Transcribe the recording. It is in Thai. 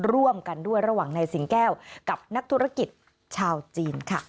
ร่วมกันด้วยระหว่างนายสิงแก้วกับนักธุรกิจชาวจีนค่ะ